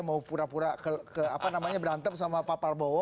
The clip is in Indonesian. mau pura pura berantem sama pak prabowo